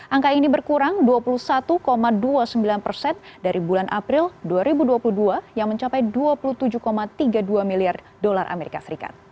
angka ini berkurang dua puluh satu dua puluh sembilan persen dari bulan april dua ribu dua puluh dua yang mencapai dua puluh tujuh tiga puluh dua miliar dolar as